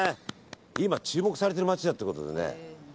今、注目されてる街だということでね。